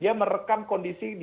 dia merekam kondisi